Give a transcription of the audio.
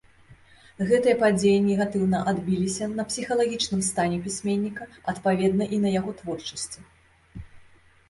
Гэтыя падзеі негатыўна адбіліся на псіхалагічным стане пісьменніка, адпаведна і на яго творчасці.